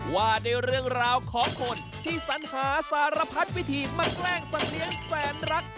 ว่าด้วยเรื่องราวของคนที่สัญหาสารพัดวิธีมาแกล้งสัตว์เลี้ยงแสนรัก